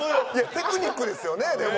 テクニックですよねでも。